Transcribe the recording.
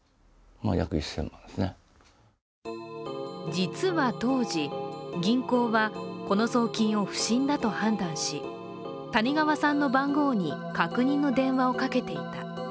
実は当時、銀行はこの送金を不審だと判断し、谷川さんの番号に確認の電話をかけていた。